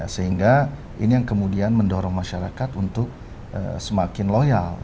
sehingga ini yang kemudian mendorong masyarakat untuk semakin loyal